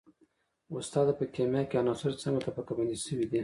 استاده په کیمیا کې عناصر څنګه طبقه بندي شوي دي